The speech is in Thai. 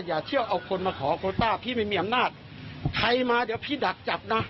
อย่าเชื่อเอาคนมาขอโคต้าพี่ไม่มีอำนาจใครมาเดี๋ยวพี่ดักจับนะ